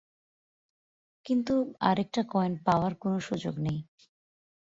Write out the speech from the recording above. কিন্তু আরেকটা কয়েন পাওয়ার কোনো সুযোগ নেই।